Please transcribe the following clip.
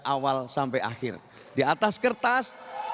awal sampai akhir di atas kertas